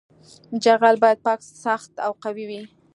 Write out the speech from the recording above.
جغل باید پاک سخت او قوي وي